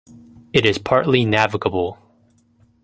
It is partly navigable.